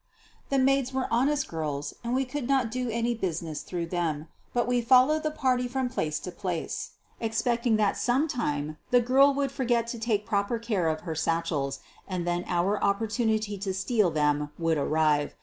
The maids were honest girls and we could not do any business through them, but we followed the party from place to place expecting that some time the girl would forget to take proper care of her satchels, and then our opportunity to steal them would arrive.